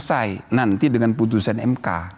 kalau kita selesai nanti dengan putusan mk